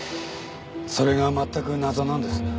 それがまったく謎なんです。